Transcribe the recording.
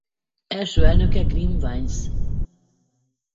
Első elnöke Grimm Vince.